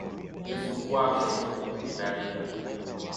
Yesu kwako ninalia